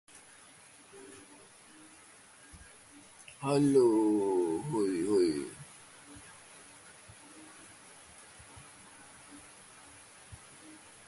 Time seems to come to a standstill, reality becomes unreal.